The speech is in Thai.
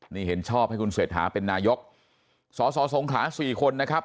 นี่เห็นชอบให้คุณเศรษฐาเป็นนายกสอสอสงขลาสี่คนนะครับ